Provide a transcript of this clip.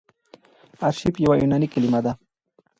آرشیف يوه یوناني کليمه ده.